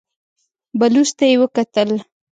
بلوڅ ته يې وکتل.